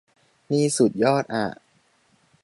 นี่สุดยอดอ่ะ